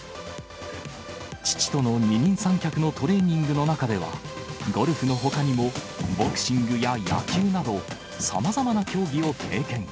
父との二人三脚のトレーニングの中では、ゴルフのほかにも、ボクシングや野球など、さまざまな競技を経験。